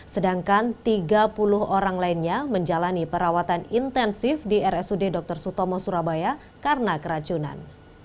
sedangkan tiga puluh orang lainnya menjalani perawatan intensif di rsud dr sutomo surabaya karena keracunan